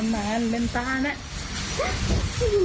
ไม่ทรมานเป็นตานะ